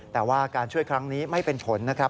แต่ว่าการช่วยครั้งนี้ไม่เป็นผลนะครับ